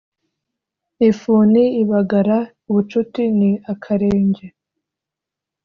ifuni ibagara ubucuti ni akarenge